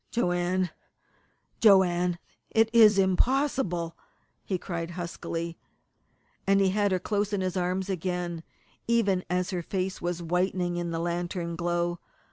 "Joanne Joanne, it is impossible!" he cried huskily, and he had her close in his arms again, even as her face was whitening in the lantern glow.